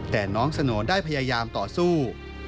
แต่น้องสโนได้พยายามต่อสู้